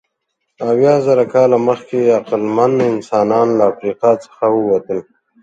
اویازره کاله مخکې عقلمن انسانان له افریقا څخه ووتل.